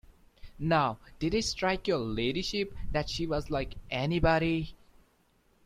Now, did it strike your ladyship that she was like anybody?